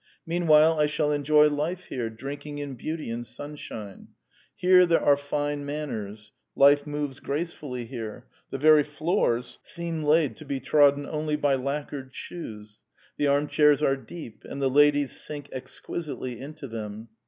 Meanwhile I shall enjoy life here, drinking in beauty and sunshine. Here there are fine manners: life moves gracefully here: the very floors seem laid to be trodden only by lacquered shoes: the armchairs are deep; and the ladies sink exquisitely into them.